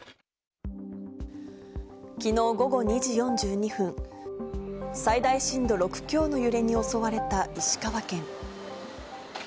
きのう午後２時４２分、最大震度６強の揺れに襲われた石川県。